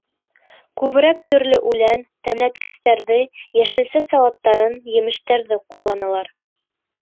Күберәк төрлө үлән, тәмләткестәрҙе, йәшелсә салаттарын, емештәрҙе ҡулланалар.